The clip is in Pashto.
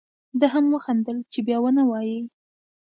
ده هم وخندل چې بیا و نه وایې.